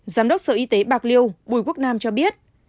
giám đốc sở y tế bạc liêu bùi quốc nam cho biết